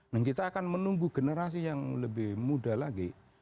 dan kita akan menunggu generasi yang lebih muda lagi